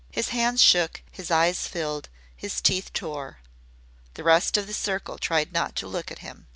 His hands shook, his eyes filled, his teeth tore. The rest of the circle tried not to look at him.